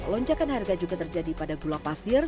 lonjakan harga juga terjadi pada gula pasir